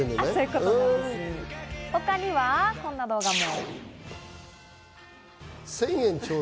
他にはこんな動画も。